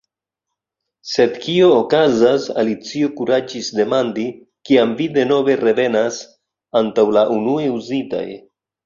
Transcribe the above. "Sed kio okazas," Alicio kuraĝis demandi, "kiam vi denove revenas antaŭ la unue uzitaj?"